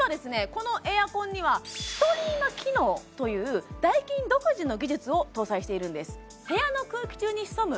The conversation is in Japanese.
このエアコンにはストリーマ機能というダイキン独自の技術を搭載しているんです部屋の空気中に潜む